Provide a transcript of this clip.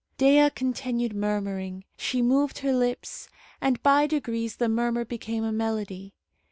Dea continued murmuring. She moved her lips, and by degrees the murmur became a melody.